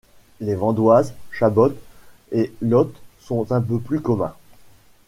Les vandoises, chabots et lottes sont un peu plus communs.